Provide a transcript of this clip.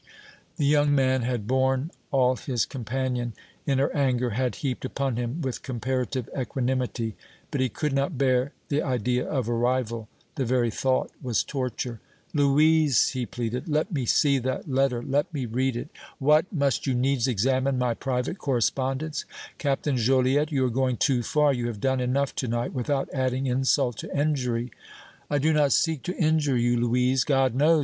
The young man had borne all his companion in her anger had heaped upon him with comparative equanimity, but he could not bear the idea of a rival, the very thought was torture. "Louise," he pleaded, "let me see that letter, let me read it." "What! Must you needs examine my private correspondence! Captain Joliette, you are going too far! You have done enough to night, without adding insult to injury!" "I did not seek to injure you, Louise, God knows!